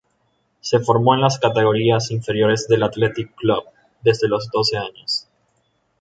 Se formó en las categorías inferiores del Athletic Club desde los doce años.